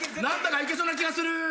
何だか行けそうな気がする。